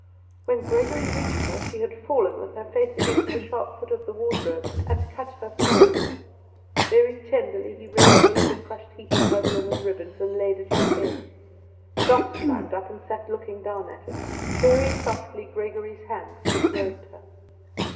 When Gregory reached her she had fallen with her face against the sharp foot of the wardrobe and cut her forehead. Very tenderly he raised the little crushed heap of muslin and ribbons, and laid it on the bed. Doss climbed up, and sat looking down at it. Very softly Gregory's hands disrobed her.